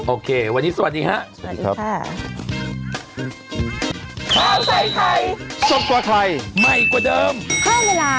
โอเควันนี้สวัสดีฮะสวัสดีครับ